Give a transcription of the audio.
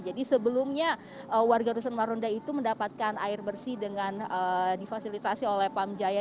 jadi sebelumnya warga rusun marunda itu mendapatkan air bersih dengan difasilitasi oleh pam jaya